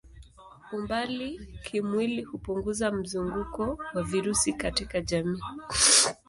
Umbali kimwili hupunguza mzunguko wa virusi katika jamii.